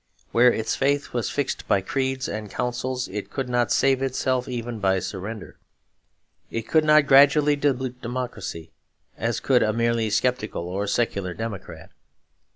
Where its faith was fixed by creeds and councils it could not save itself even by surrender. It could not gradually dilute democracy, as could a merely sceptical or secular democrat.